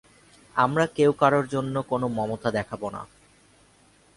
আমরা কেউ কারো জন্যে কোনো মমতা দেখাব না।